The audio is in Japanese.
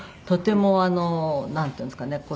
とてもなんていうんですかね